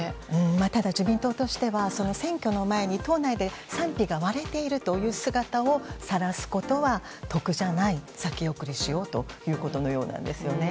ただ自民党としては選挙の前に党内で賛否が割れている姿をさらすことは得じゃない先送りしようということですね。